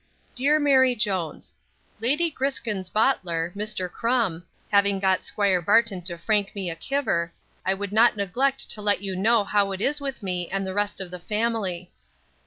DEAR MARY JONES, Lady Griskin's botler, Mr Crumb, having got 'squire Barton to frank me a kiver, I would not neglect to let you know how it is with me, and the rest of the family.